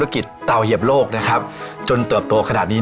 ครับนะครับนะครับ